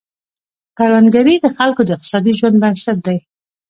کروندګري د خلکو د اقتصادي ژوند بنسټ دی.